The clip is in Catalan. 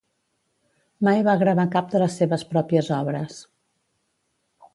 Mai va gravar cap de les seves pròpies obres.